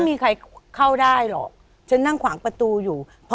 ไม่คุณเพราะฉันนั่งขวางประตูอยู่